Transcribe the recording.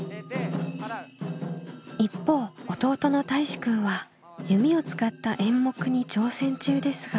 一方弟のたいしくんは弓を使った演目に挑戦中ですが。